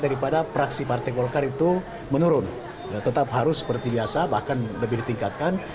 dari pada fraksi partai golkar itu menurun tetap harus seperti biasa bahkan lebih ditingkatkan